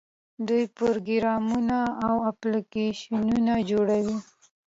دوی پروګرامونه او اپلیکیشنونه جوړوي.